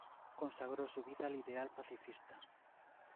Consagró su vida al ideal pacifista.